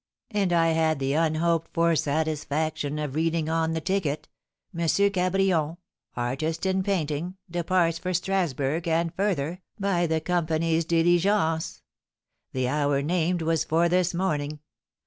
"And I had the unhoped for satisfaction of reading on the ticket, 'M. Cabrion, artist in painting, departs for Strasburg, and further, by the company's diligence.' The hour named was for this morning.